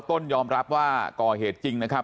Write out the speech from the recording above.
ต้นยอมรับว่าก่อเหตุจริงนะครับ